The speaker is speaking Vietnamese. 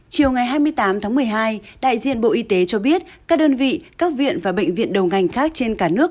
chiều ngày hai mươi tám tháng một mươi hai đại diện bộ y tế cho biết các đơn vị các viện và bệnh viện đầu ngành khác trên cả nước